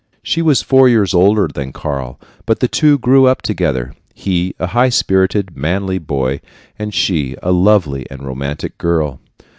She was four years older than Karl, but the two grew up together he a high spirited, manly boy, and she a lovely and romantic girl.